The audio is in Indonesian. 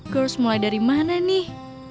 kurs mulai dari mana nih